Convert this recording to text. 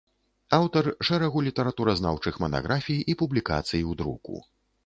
Аўтар шэрагу літаратуразнаўчых манаграфій і публікацый у друку.